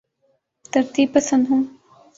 ترتیب پسند ہوں